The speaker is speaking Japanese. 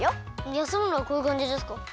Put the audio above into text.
やすむのはこういうかんじですか？